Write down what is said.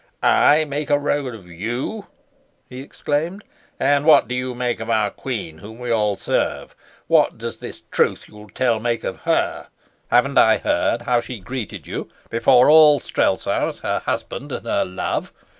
"I make a rogue of you?" he exclaimed. "And what do you make of our queen, whom we all serve? What does this truth that you'll tell make of her? Haven't I heard how she greeted you before all Strelsau as her husband and her love?